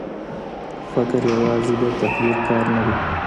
فقر یوازې د تقدیر کار نه دی.